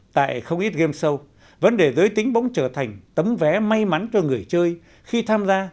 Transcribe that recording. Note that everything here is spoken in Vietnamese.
tại không ít game show vấn đề giới tính bỗng trở thành tấm vé may mắn cho người chơi khi tham gia